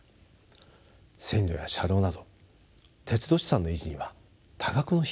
線路や車両など鉄道資産の維持には多額の費用がかかります。